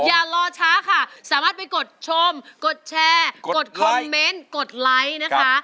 อย่ารอช้าค่ะสามารถไปกดชมกดแชร์กดคอมเมนต์กดไลค์นะคะ